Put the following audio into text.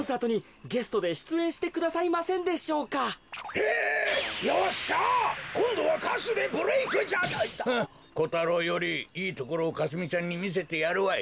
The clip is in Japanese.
フッコタロウよりいいところをかすみちゃんにみせてやるわい。